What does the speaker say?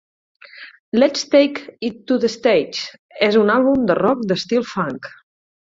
"Let's Take It to the Stage" és un àlbum de rock d"estil funk.